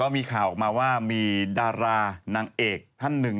มีข่าวออกมาว่ามีดารานางเอกท่านหนึ่ง